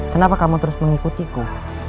kenapa kamu terus mengikutiku